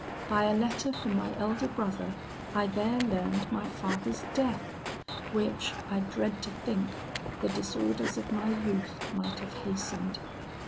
By a letter from my elder brother, I there learned my father's death, which, I dread to think, the disorders of my youth might have hastened.